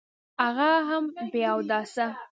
هغه هم بې اوداسه.